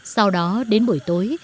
sau đó đến buổi tối